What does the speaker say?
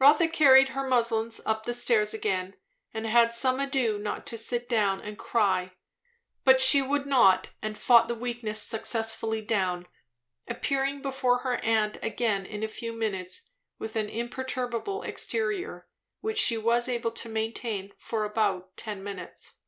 Rotha carried her muslins up stairs again, and had some ado not to sit down and cry. But she would not, and fought the weakness successfully down, appearing before her aunt again in a few minutes with an imperturbable exterior. Which she was able to maintain about ten minutes.